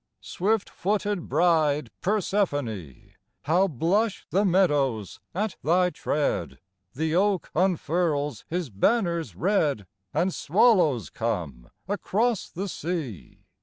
n. Swift footed bride, Persephone, How blush the meadows at thy tread ! The oak unfurls his banners red, And swallows come across the sea.